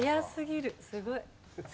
早すぎるすごい。